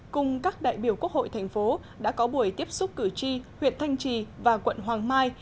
cùng các đại biểu quốc hội thành phố đã có buổi tiếp xúc cử tri huyện thanh trì và quận hoàng mai